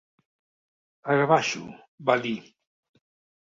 «Ara baixo», va dir.